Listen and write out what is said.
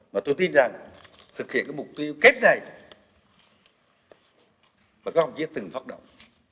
và tôi tin rằng thực hiện cái mục tiêu kết này và có không chỉ từng phát động